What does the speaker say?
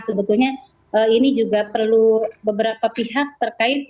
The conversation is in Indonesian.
sebetulnya ini juga perlu beberapa pihak terkait